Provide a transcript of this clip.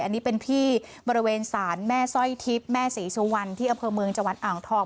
อันนี้เป็นที่บริเวณศาลแม่สร้อยทิพย์แม่ศรีสุวรรณที่อำเภอเมืองจังหวัดอ่างทอง